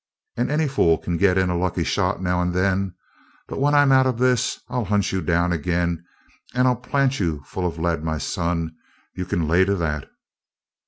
"And any fool can get in a lucky shot now and then. But, when I'm out of this, I'll hunt you down again and I'll plant you full of lead, my son! You can lay to that!"